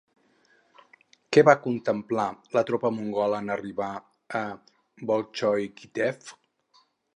Què va contemplar la tropa mongola en arribar a Bólxoi Kítej?